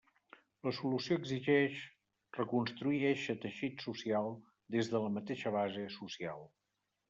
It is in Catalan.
La solució exigeix reconstruir eixe teixit social, des de la mateixa base social.